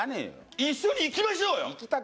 一緒に行きましょうよ。